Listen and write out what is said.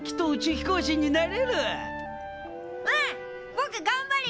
ぼくがんばるよ！